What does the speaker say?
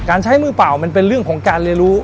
ใช้มือเปล่ามันเป็นเรื่องของการเรียนรู้